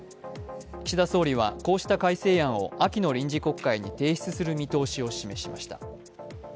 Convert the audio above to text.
岸田総理は、こうした改正案を秋の臨時国会に提出する見通しを示しました。